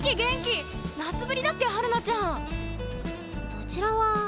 そちらは。